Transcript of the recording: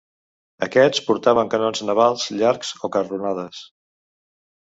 Aquests portaven canons navals llargs o carronades.